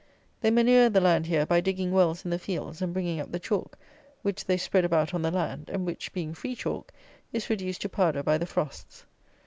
They manure the land here by digging wells in the fields, and bringing up the chalk, which they spread about on the land; and which, being free chalk, is reduced to powder by the frosts.